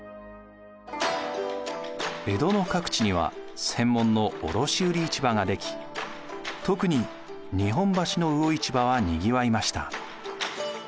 江戸の各地には専門の卸売市場が出来特に日本橋の魚市場はにぎわいました。